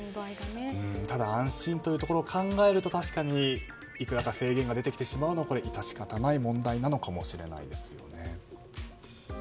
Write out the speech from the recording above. ただ安心というところを考えると確かにいくらか制限が出てきてしまうのは致し方ない問題なのかもしれないですよね。